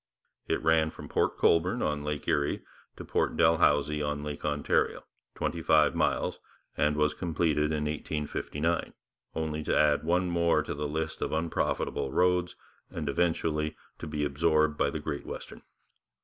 It ran from Port Colborne on Lake Erie to Port Dalhousie on Lake Ontario, twenty five miles, and was completed in 1859, only to add one more to the list of unprofitable roads, and eventually to be absorbed by the Great Western.